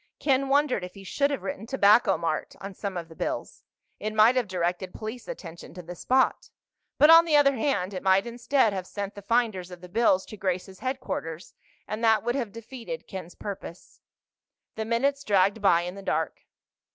Ken wondered if he should have written "Tobacco Mart" on some of the bills. It might have directed police attention to the spot. But, on the other hand, it might instead have sent the finders of the bills to Grace's headquarters, and that would have defeated Ken's purpose. The minutes dragged by in the dark.